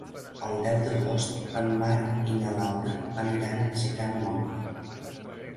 El deu d'agost en Marc i na Laura aniran a visitar mon oncle.